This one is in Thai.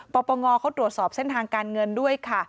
ปปงเขาตรวจสอบเส้นทางการเงินด้วยค่ะ